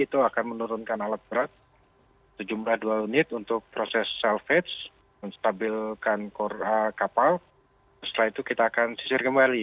itu akan menurunkan alat berat sejumlah dua unit untuk proses selfie menstabilkan kapal setelah itu kita akan sisir kembali